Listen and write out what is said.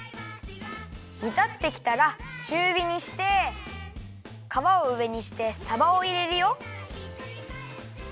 煮たってきたらちゅうびにしてかわをうえにしてさばをいれるよ。